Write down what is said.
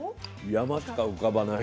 山しか浮かばない。